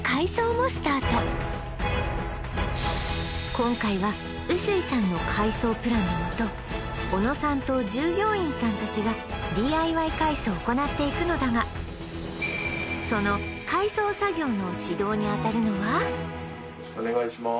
今回は臼井さんの改装プランのもと小野さんと従業員さん達がＤＩＹ改装を行っていくのだがその改装作業の指導に当たるのはお願いします